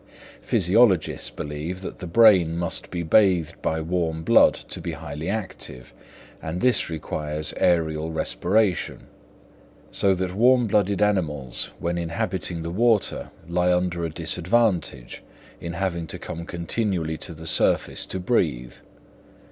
Physiologists believe that the brain must be bathed by warm blood to be highly active, and this requires aërial respiration; so that warm blooded mammals when inhabiting the water lie under a disadvantage in having to come continually to the surface to breathe.